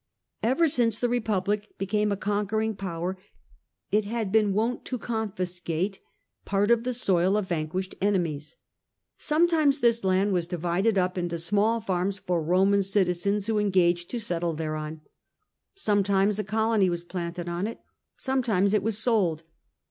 Ever since the Eepublic became a conquering power, it had been wont to confiscate part of the soil of vanquished enemies. Sometimes this land was divided up into small farms for Eoman citizens who engaged to settle thereon, sometimes a colony was planted on it, sometimes it was sold.